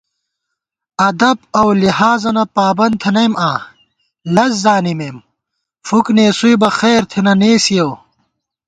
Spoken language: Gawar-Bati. ادب اؤ لحاظَنہ پابند تھنئیم آں ، لز زانِمېم ، فُک نېسُوئی بہ خیر تھنہ نېسِیَؤ